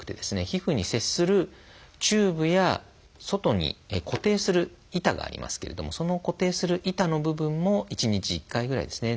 皮膚に接するチューブや外に固定する板がありますけれどもその固定する板の部分も１日１回ぐらいですね